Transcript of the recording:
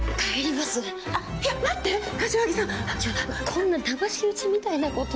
こんなだまし討ちみたいなこと。